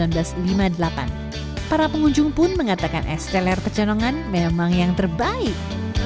pada tahun seribu sembilan ratus lima puluh delapan para pengunjung pun mengatakan esteller pecenongan memang yang terbaik